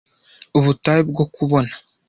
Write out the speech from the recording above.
Ubutayu bwo kubona.